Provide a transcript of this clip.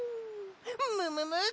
むむむ！？